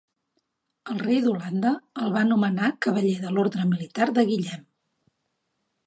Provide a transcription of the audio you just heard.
El rei d'Holanda el va nomenar cavaller de l'Orde Militar de Guillem